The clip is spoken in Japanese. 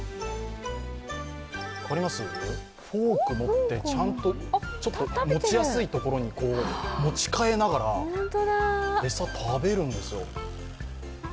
フォーク持ってちゃんと、持ちやすいところに持ち替えながら餌を食べるんですよ。